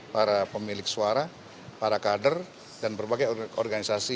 para pemilik suara para kader dan berbagai organisasi